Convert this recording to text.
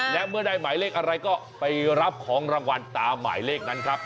และเมื่อได้หมายเลขอะไรก็ไปรับของรางวัลตามหมายเลขนั้นครับ